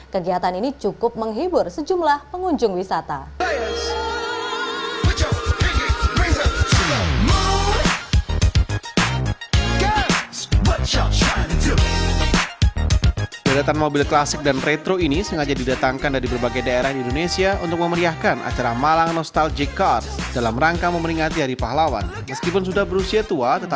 kegiatan ini cukup menghibur sejumlah pengunjung wisata